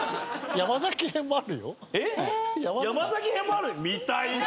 山崎編もある⁉見たいな！